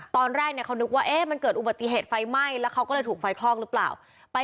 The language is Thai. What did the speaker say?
ตอนแรกเขานึกว่ามันเกิดอุบัติเหตุไฟไหม้แล้วเขาก็เลยถูกไฟคลอกหรือเปล่า